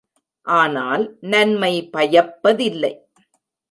ஆனால், நன்மை பயப்பதில்லை.